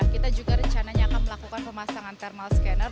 kita juga rencananya akan melakukan pemasangan thermal scanner